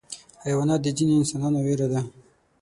حیوانات د ځینو انسانانو ویره ده.